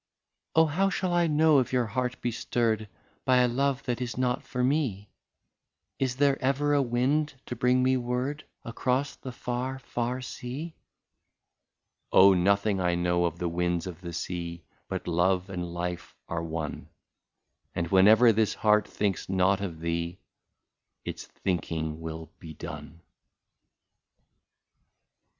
" Oh ! how shall I know if your heart be stirred By a love that is not for me ; Is there ever a wind to bring me word, Across the far, far sea ?'^ Oh ! nothing I know of the winds of the sea, But love and life are one ; And whenever this heart thinks not of thee, Its thinking will be done."